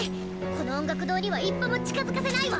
この音楽堂には一歩も近づかせないわ！